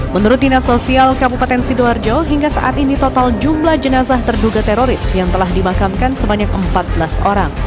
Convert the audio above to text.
menurut dinas sosial kabupaten sidoarjo hingga saat ini total jumlah jenazah terduga teroris yang telah dimakamkan sebanyak empat belas orang